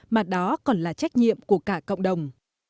mà đó còn là trách nhiệm của cả cộng đồng